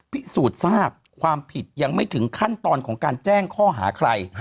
พิสูจน์ทราบความผิดยังไม่ถึงขั้นตอนของการแจ้งข้อหาใคร